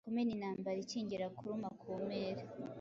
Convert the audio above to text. kumena intambara ikingira kuruma kumpera